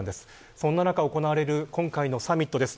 そんな中行われる今回のサミットです。